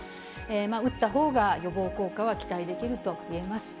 打ったほうが予防効果は期待できるといえます。